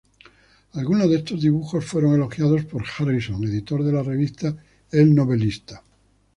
Algunos de estos dibujos fueron elogiados por Harrison, editor de la revista "El Novelista".